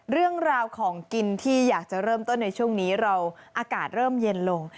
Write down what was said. เรื่องราวของกินที่อยากจะเริ่มต้นในช่วงนี้เราอากาศเริ่มเย็นลง